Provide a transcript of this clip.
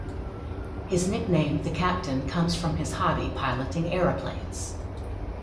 His nickname, "The Captain", comes from his hobby, piloting aeroplanes.